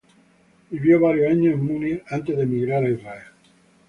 Vivió varios años en Múnich antes de emigrar a Israel.